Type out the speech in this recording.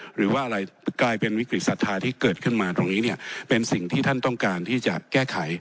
หรือว่าอะไรกลายเป็นวิกฤตศรัทธาที่เกิดขึ้นมาตรงนี้เนี่ยเป็นสิ่งที่ท่านต้องการที่จะแก้ไข